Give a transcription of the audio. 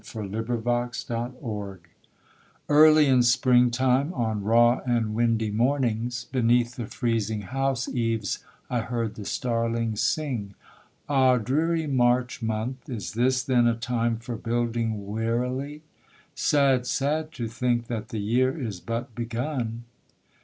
THE STARLINGS Early in spring time, on raw and windy mornings, Beneath the freezing house eaves I heard the starlings sing 'Ah dreary March month, is this then a time for building wearily? Sad, sad, to think that the year is but begun.'